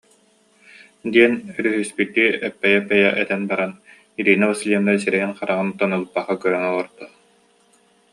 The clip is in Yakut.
диэн өрүһүспүттүү эппэйэ-эппэйэ этэн баран, Ирина Васильевна сирэйин-хараҕын тонолуппакка көрөн олордо